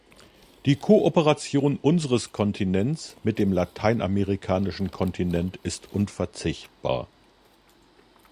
Die Kooperation unseres Kontinents mit dem lateinamerikanischen Kontinent ist unverzichtbar.